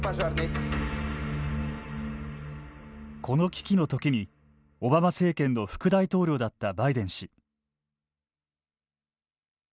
この危機のときにオバマ政権の副大統領だったバイデン氏。